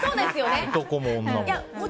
男も女も。